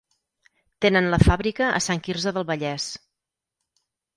Tenen la fàbrica a Sant Quirze del Vallès.